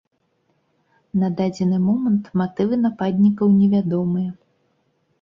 На дадзены момант матывы нападнікаў невядомыя.